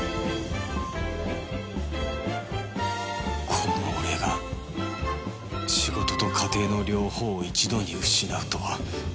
この俺が仕事と家庭の両方を一度に失うとは